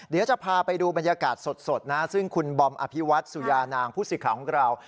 เดี๋ยวจะพาไปดูบรรยากาศสดนะซึ่งคุณบอมอภิวัตสุยานางผู้สื่อข่าวของเรา